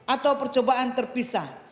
atau percobaan terpisah